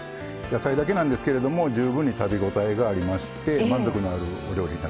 野菜だけなんですけれども十分に食べ応えがありまして満足のあるお料理になっております。